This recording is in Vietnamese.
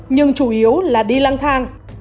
nhưng chủ yếu là đi lăng thang